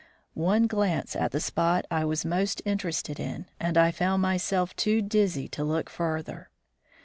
One glance at the spot I was most interested in, and I found myself too dizzy to look further.